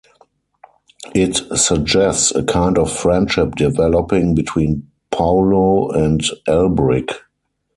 It suggests a kind of friendship developing between Paulo and Elbrick.